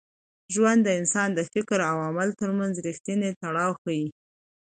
ژوند د انسان د فکر او عمل تر منځ رښتینی تړاو ښيي.